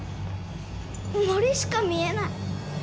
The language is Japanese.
森しか見えない。